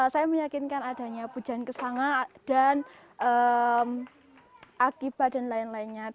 saya meyakinkan adanya pujian kesangai dan akibat dan lain lainnya